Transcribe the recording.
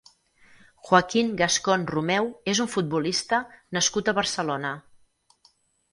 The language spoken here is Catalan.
Joaquín Gascón Romeu és un futbolista nascut a Barcelona.